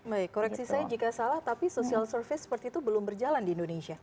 baik koreksi saya jika salah tapi social service seperti itu belum berjalan di indonesia